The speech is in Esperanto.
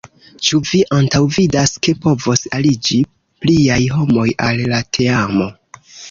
Ĉu vi antaŭvidas ke povos aliĝi pliaj homoj al la teamo?